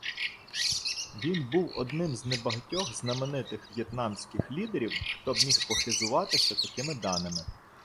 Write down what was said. Він був одним з небагатьох знаменитих в'єтнамських лідерів, хто міг похизуватися такими даними.